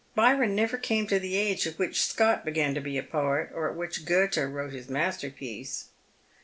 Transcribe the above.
Byron never came to the age at which Scott began to be a poet, or at which Goethe wrote his masterpiece."